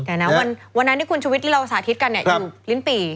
แต่วันนั้นที่คุณชวิตที่เราสาธิตกันเนี่ย